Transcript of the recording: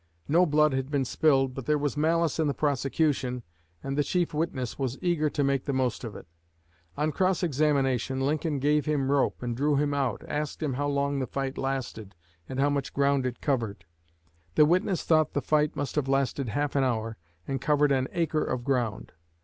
No blood had been spilled, but there was malice in the prosecution, and the chief witness was eager to make the most of it. On cross examination, Lincoln "gave him rope" and drew him out; asked him how long the fight lasted and how much ground it covered. The witness thought the fight must have lasted half an hour and covered an acre of ground.